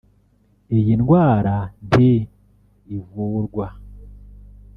Iyi ndwara nti ivurwa